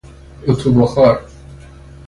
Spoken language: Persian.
اتو بخار